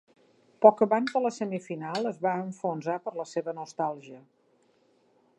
Poc abans de la semifinal, es va enfonsar per la seva nostàlgia.